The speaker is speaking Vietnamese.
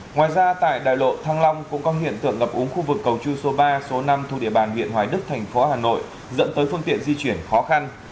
ngoài ra tại đài lộ thăng long cũng có hiện tượng ngập úng khu vực cầu chư số ba số năm thu địa bàn huyện hoài đức thành phố hà nội dẫn tới phương tiện di chuyển khó khăn